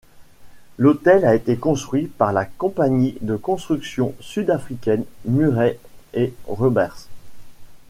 L'hôtel a été construit par la compagnie de construction sud-africaine Murray & Roberts.